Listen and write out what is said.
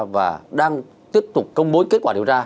và đang tiếp tục công bố kết quả điều tra